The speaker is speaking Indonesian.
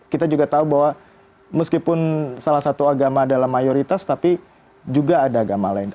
kita juga tahu bahwa meskipun salah satu agama adalah mayoritas tapi juga ada agama lain